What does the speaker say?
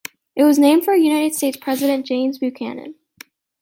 It was named for United States President James Buchanan.